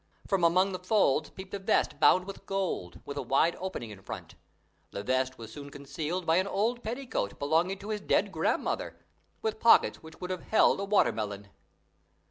From among the folds peeped a vest bound with gold, with a wide opening in front. The vest was soon concealed by an old petticoat belonging to his dead grandmother, with pockets which would have held a water melon.